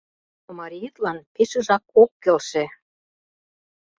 Но мариетлан пешыжак ок келше.